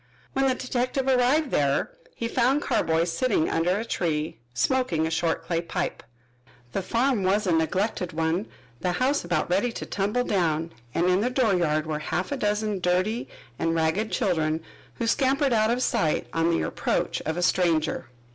When the detective arrived there he found Carboy sitting under a tree smoking a short clay pipe. The farm was a neglected one, the house about ready to tumble down, and in the dooryard were half a dozen dirty and ragged children, who scampered out of sight on the approach of a stranger.